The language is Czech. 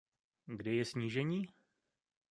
Kde je snížení?